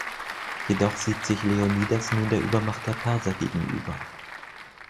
Jedoch sieht sich Leonidas nun der Übermacht der Perser gegenüber.